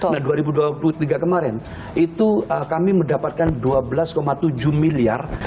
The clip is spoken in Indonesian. nah dua ribu dua puluh tiga kemarin itu kami mendapatkan dua belas tujuh miliar